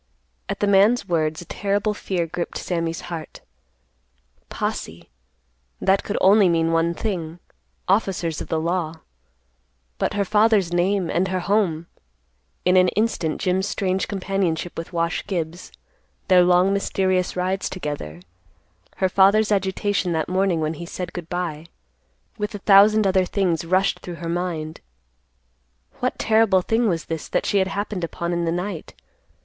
At the man's words a terrible fear gripped Sammy's heart. "Posse," that could mean only one thing,—officers of the law. But her father's name and her home—in an instant Jim's strange companionship with Wash Gibbs, their long mysterious rides together, her father's agitation that morning, when he said good by, with a thousand other things rushed through her mind. What terrible thing was this that she had happened upon in the night?